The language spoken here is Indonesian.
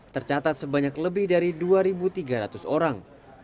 tercatat sebanyak lebih dari dua tiga ratus orang